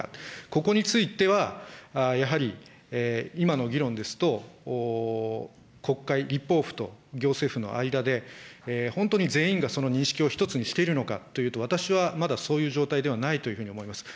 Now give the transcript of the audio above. ここについては、やはり今の議論ですと、国会、立法府と行政府の間で、本当に全員がその認識を一つにしているのかというと、私はまだそういう状態ではないというふうに思います。